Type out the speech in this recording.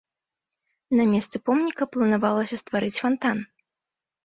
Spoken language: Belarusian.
На месцы помніка планавалася стварыць фантан.